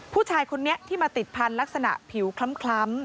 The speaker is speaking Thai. ผู้ชายคนนี้ที่มาติดพันธุ์ลักษณะผิวคล้ำ